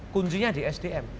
kuncinya di sdm